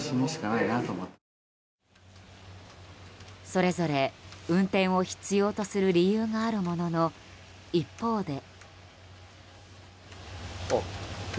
それぞれ運転を必要とする理由があるものの、一方で。